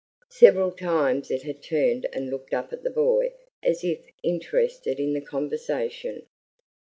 Several times it had turned and looked up at the boy as if interested in the conversation.